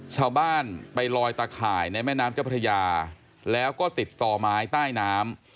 ชาวบ้านไปลอยตะข่ายในแม่น้ำเจ้าพระยาแล้วก็ติดต่อไม้ใต้น้ำ